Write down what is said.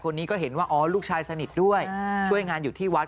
คนนี้ก็เห็นว่าอ๋อลูกชายสนิทด้วยช่วยงานอยู่ที่วัด